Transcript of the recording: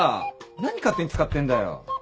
何勝手に使ってんだよ。